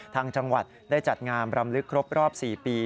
ทางจังหวัดได้จัดงามรำลึกครบรอบ๔ปี